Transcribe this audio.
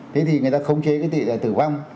thế thì người ta không chế cái tỷ lệ tử vong